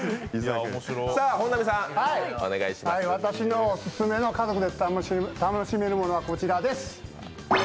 私のオススメの家族で楽しめるものはこちらです。